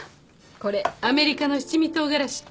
これアメリカの七味唐辛子。